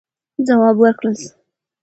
ځواب ورکړل سو.